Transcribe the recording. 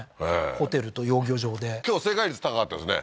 ホテルと養魚場で今日正解率高かったですね